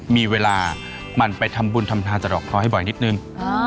มีเวลามันไปทำบุญทำทานสะดอกเคราะห์ให้บ่อยนิดนึง